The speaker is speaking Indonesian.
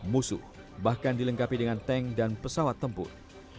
musuh bahkan dilengkapi dengan tank dan pesawat tempur